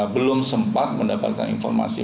belum sempat mendapatkan informasi